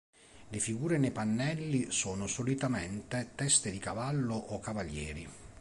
Le figure nei pannelli sono solitamente teste di cavallo o cavalieri.